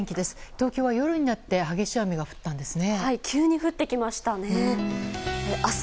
東京は夜になって激しい雨が降ったんですね。